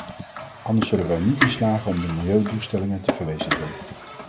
Anders zullen we er niet in slagen om de millenniumdoelstellingen te verwezenlijken.